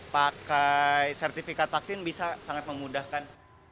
pakai sertifikat vaksin bisa sangat memudahkan